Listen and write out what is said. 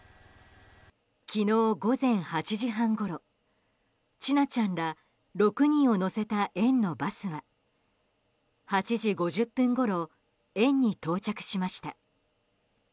昨日午前８時半ごろ千奈ちゃんら６人を乗せた園のバスは８時５０分ごろ園に到着しました。